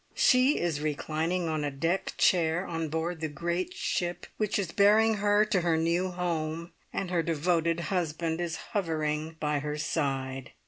She is reclining on a deck chair on board the great ship which is bearing her to her new home, and her devoted husband is hovering by her side.